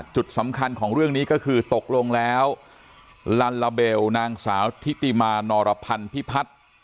จุดสำคัญของเรื่องนี้ก็คือตกลงแล้วลัลลาเบลนางสาวทิติมานอรพันธ์พิพัฒน์